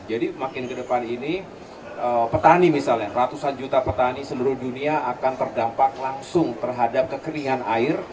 jadi makin ke depan ini petani misalnya ratusan juta petani seluruh dunia akan terdampak langsung terhadap kekeringan air